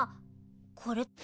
これって。